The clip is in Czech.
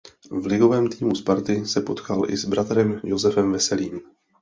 V ligovém týmu Sparty se potkal i s bratrem Josefem Veselým.